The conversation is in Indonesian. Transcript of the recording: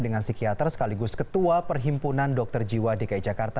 dengan psikiater sekaligus ketua perhimpunan dokter jiwa dki jakarta